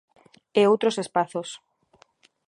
E outros espazos.